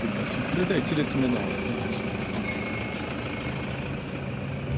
それでは１列目の右端の方。